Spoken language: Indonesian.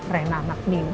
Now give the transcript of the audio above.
rena anak ini